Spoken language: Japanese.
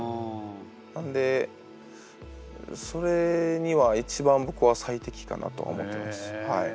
なんでそれには一番僕は最適かなと思ってます。